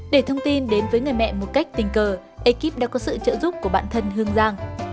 để thông tin đến với người mẹ một cách tình cờ ekip đã có sự trợ giúp của bản thân hương giang